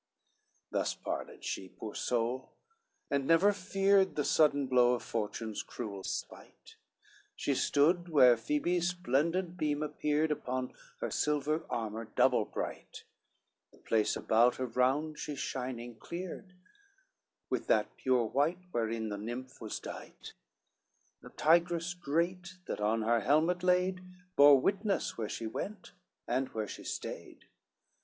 CVI Thus parleyed she, poor soul, and never feared The sudden blow of Fortune's cruel spite, She stood where Phoebe's splendent beam appeared Upon her silver armor double bright, The place about her round she shining cleared With that pure white wherein the nymph was dight: The tigress great, that on her helmet laid, Bore witness where she went, and where she stayed.